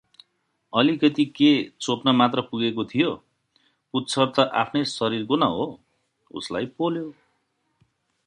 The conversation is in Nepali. अलिकति के चोप्न मात्र पुगेको थियो, पुच्छर त आफ्नै शरीरको न हो, उसलाई पोल्यो !